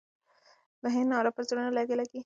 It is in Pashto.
د هغې ناره به پر زړونو ولګي.